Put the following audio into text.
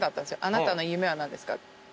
あなたの夢は何ですか？